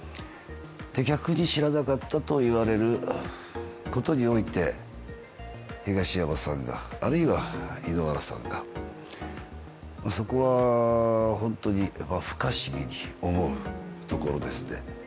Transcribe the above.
逆に知らなかったと言われることにおいて東山さんが、あるいは井ノ原さんが、そこは本当に不可思議に思うところですね。